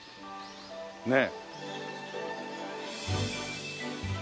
ねえ。